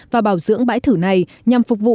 và bảo dưỡng bãi thử này nhằm phục vụ